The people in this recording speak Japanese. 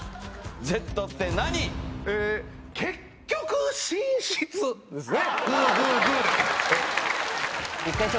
結局寝室ですね